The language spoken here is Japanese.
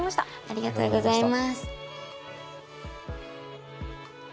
ありがとうございます。